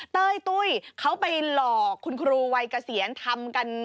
เต้ยตุ้ยเขาไปหลอกคุณครูวัยเกษียณทำกัน